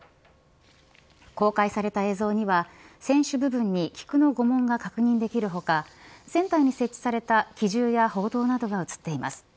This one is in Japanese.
公開された映像には船首部分に菊の御紋が確認できる他船体に設置された機銃や砲塔などが映っています。